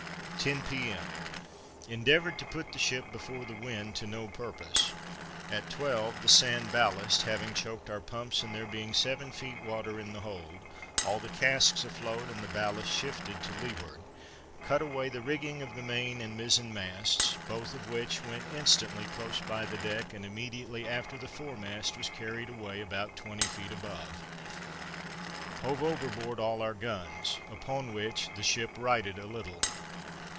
10 P. M. endeavored to put the ship before the wind to no purpose. At twelve the sand ballast having choked our pumps, and there being seven feet water in the hold, all the casks afloat, and the ballast shifted to leeward, cut away the rigging of the main and mizen masts, both of which went instantly close by the deck, and immediately after the foremast was carried away about twenty feet above. Hove overboard all our guns, upon which the ship righted a little.